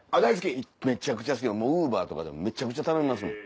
めちゃくちゃ好きＵｂｅｒとかでめちゃくちゃ頼みますもん。